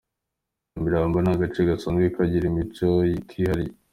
Nyamirambo ni agace gasanzwe kagira imico kihariye.